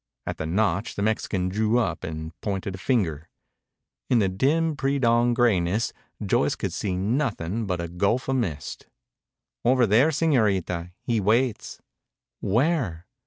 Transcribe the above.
At the notch the Mexican drew up and pointed a finger. In the dim pre dawn grayness Joyce could see nothing but a gulf of mist. "Over there, Señorita, he waits." "Where?"